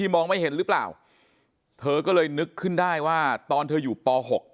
มองไม่เห็นหรือเปล่าเธอก็เลยนึกขึ้นได้ว่าตอนเธออยู่ป๖